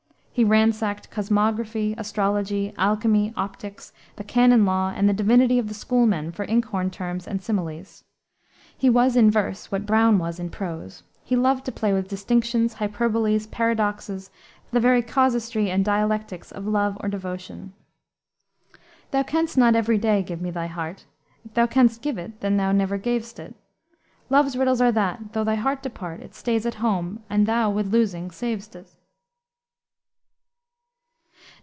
He ransacked cosmography, astrology, alchemy, optics, the canon law, and the divinity of the schoolmen for ink horn terms and similes. He was in verse what Browne was in prose. He loved to play with distinctions, hyperboles, paradoxes, the very casuistry and dialectics of love or devotion. "Thou canst not every day give me thy heart: If thou canst give it then thou never gav'st it; Love's riddles are that though thy heart depart, It stays at home and thou with losing sav'st it."